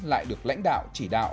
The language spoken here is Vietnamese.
lại được lãnh đạo chỉ đạo